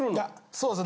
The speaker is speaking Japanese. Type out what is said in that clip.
そうです。